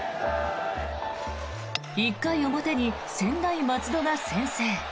１回表に専大松戸が先制。